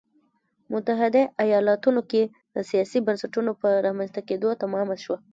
متحده ایالتونو کې د سیاسي بنسټونو په رامنځته کېدو تمامه شوه.